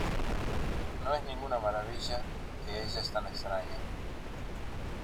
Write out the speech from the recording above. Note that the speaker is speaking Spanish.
No es ninguna maravilla que ella es tan extraña.